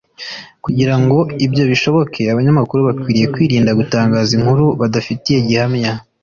Kugira ngo ibyo bishoboke abanyamakuru bakwiriye kwirinda gutangaza inkuru badafitiye gihamya